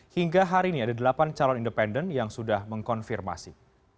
hingga hari ini ada delapan calon independen yang sudah mengkonfirmasi